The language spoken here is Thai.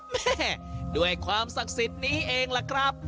แม่ด้วยความศักดิ์สิทธิ์นี้เองล่ะครับ